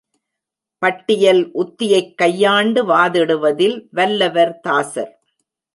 பட்டியல் உத்தியைக் கையாண்டு வாதிடுவதில் வல்லவர் தாசர்.